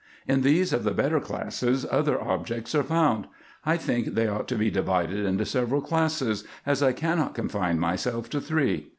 In those of the better classes other objects are found. I think they ought to be divided into several classes, as I cannot confine myself to three.